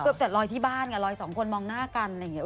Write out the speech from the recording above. เกือบแต่ลอยที่บ้านไงลอยสองคนมองหน้ากันอย่างนี้